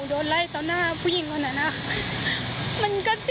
เพราะว่าความรู้สึกกับ